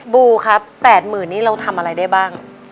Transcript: บูครับ๘๐๐๐นี่เราทำอะไรได้บ้าง